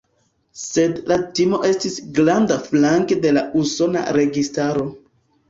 Sed la timo estis granda flanke de la usona registaro.